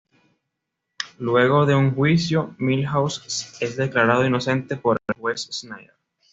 Luego de un juicio, Milhouse es declarado inocente por el Juez Snyder.